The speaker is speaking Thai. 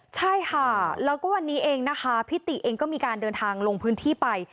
ใช่ค่ะแล้วก็วันนี้เองนะคะพิติเองก็มีการเดินทางลงพื้นที่ไป